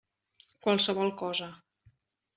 Qualsevol cosa.